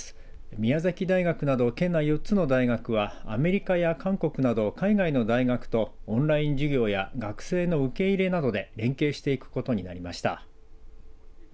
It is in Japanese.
宮崎大学など県内４つの大学はアメリカや韓国など海外の大学とオンライン授業や学生の受け入れなどで連携していくことになりました。